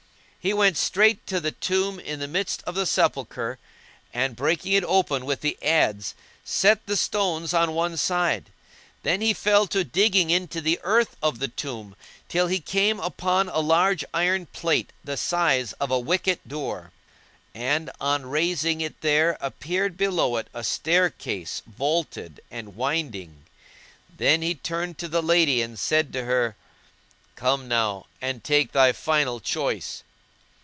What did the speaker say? He went straight to the tomb in the midst of the sepulchre and, breaking it open with the adze set the stones on one side; then he fell to digging into the earth of the tomb till he came upon a large iron plate, the size of a wicket door; and on raising it there appeared below it a staircase vaulted and winding. Then he turned to the lady and said to her, "Come now and take thy final choice!"